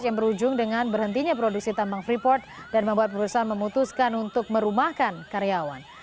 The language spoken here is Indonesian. yang berujung dengan berhentinya produksi tambang freeport dan membuat perusahaan memutuskan untuk merumahkan karyawan